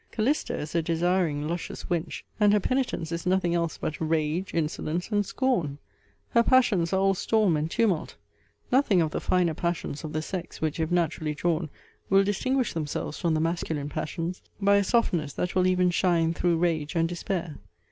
Calista is a desiring luscious wench, and her penitence is nothing else but rage, insolence, and scorn. Her passions are all storm and tumult; nothing of the finer passions of the sex, which, if naturally drawn, will distinguish themselves from the masculine passions, by a softness that will even shine through rage and despair.